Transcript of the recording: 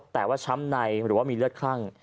แต่ว่าช้ำในหรือว่ามีเลือดคลั่ง